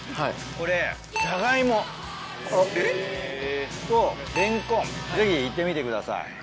これジャガイモとレンコンぜひいってみてください。